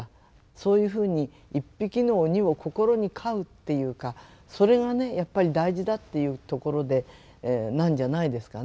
そういうふうに１匹の鬼を心に飼うっていうかそれがねやっぱり大事だっていうところなんじゃないですかね。